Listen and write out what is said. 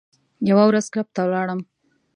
یوه ورځ کلب ته ولاړم.